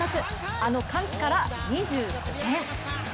あの歓喜から２５年。